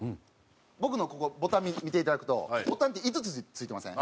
僕のここボタン見ていただくとボタンって５つ付いてません？